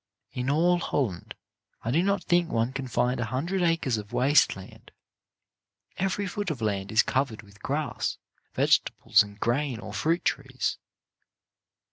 In all Hol land, I do not think one can find a hundred acres of waste land ; every foot of land is covered with grass, vegetables, grain or fruit trees.